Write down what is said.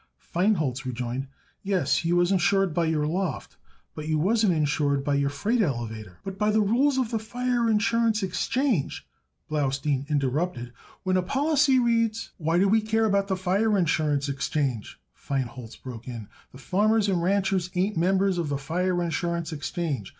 Feinholz rejoined: "Yes, you was insured by your loft, but you wasn't insured by your freight elevator." "But by the rules of the Fire Insurance Exchange," Blaustein interrupted, "when a policy reads " "What do we care about the Fire Insurance Exchange?" Feinholz broke in. "The Farmers and Ranchers' ain't members of the Fire Insurance Exchange.